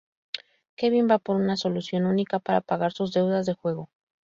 Kevin va por una solución única para pagar sus deudas de juego.